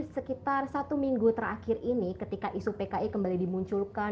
sekitar satu minggu terakhir ini ketika isu pki kembali dimunculkan